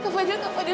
kak fadil kak fadil